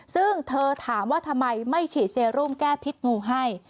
ซึ่งเธอถามว่าทำไมไม่ฉีดเซรุมแก้พิษงูให้